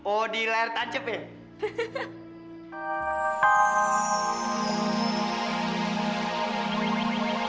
eh oh di layar tanjep ya